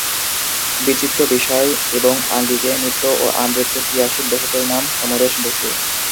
বিচিত্র বিষয় এবং আঙ্গিকে নিত্য ও আমৃত্যু ক্রিয়াশীল লেখকের নাম সমরেশ বসু।